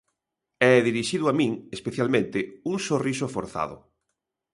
E dirixido a min, especialmente, un sorriso forzado.